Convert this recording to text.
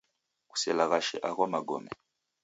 Kuselaghashe agho magome.